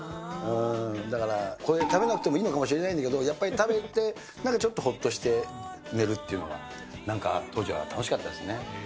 だからこれ食べなくてもいいのかもしれないけど、やっぱり食べて、なんかちょっとほっとして寝るっていうのが、なんか当時は楽しかったですね。